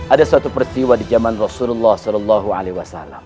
ada suatu peristiwa di zaman rasulullah saw